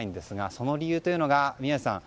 その理由というのが宮司さん